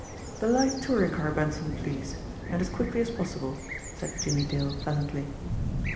"The light touring car, Benson, please, and as quickly as possible," said Jimmie Dale pleasantly.